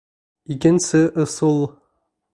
Икенсе ысул.